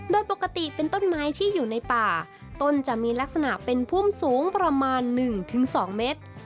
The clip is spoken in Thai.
โดยปกติเป็นต้นไม้ที่อยู่ในป่าต้นจะมีลักษณะเป็นพุ่มสูงประมาณ๑๒เมตร